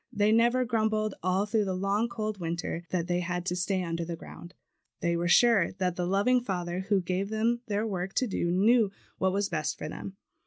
They never grumbled, all through the long cold winter that they had to stay under the ground. They were sure that the loving Father who gave them their work to do knew what was best for them.